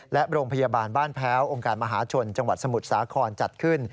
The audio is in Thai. และโรงพยาบาลบ้านแพ้วองค์การมหาชนจังหวัดสมุทรสาครจัดขึ้น